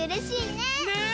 ねえ！